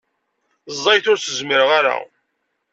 Ẓẓayet ur s-zmireɣ ara.